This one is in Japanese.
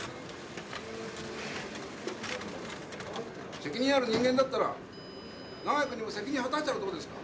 ・責任ある人間だったら長井君にも責任果たしたらどうですか！